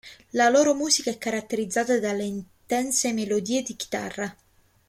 La loro musica è caratterizzata dalle intense melodie di chitarra.